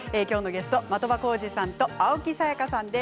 的場浩司さんと青木さやかさんです。